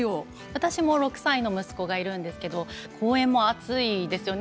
私も６歳の息子がいるんですけど公園も熱いですよね